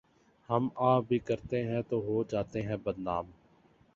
ہم آہ بھی کرتے ہیں تو ہو جاتے ہیں بدنام۔